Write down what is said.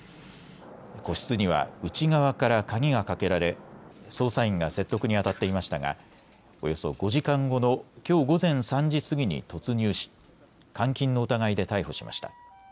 個室には内側から鍵がかけられ捜査員が説得にあたっていましたがおよそ５時間後のきょう午前３時過ぎに突入し監禁の疑いで逮捕しました。